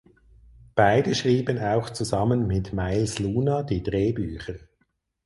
Beide schrieben auch zusammen mit Miles Luna die Drehbücher.